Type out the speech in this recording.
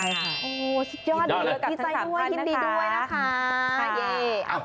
สุดยอดดีใจด้วยยินดีด้วยนะคะ